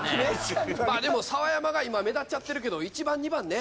まあでも澤山が今目立っちゃってるけど１番２番ね。